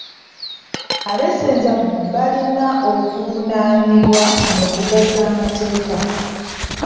Abeesenza balina okuvunaanibwa mu mbuga z'amateeka.